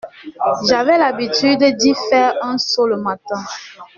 J’avais l’habitude d’y faire un saut le matin.